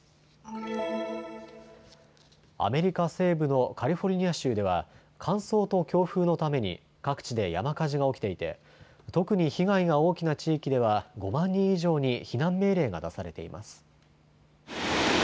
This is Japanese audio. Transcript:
アメリカ西部のカリフォルニア州では乾燥と強風のために各地で山火事が起きていて特に被害が大きな地域では５万人以上に避難命令が出されています。